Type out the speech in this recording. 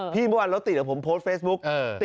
พี่เมื่อวานแล้วติดกับผมโพสต์เฟซบุ๊ค